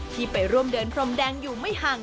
ที่ไปร่วมเดินพรมแดงอยู่ไม่ห่าง